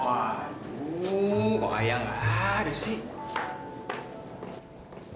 waduh kok ayah enggak ada sih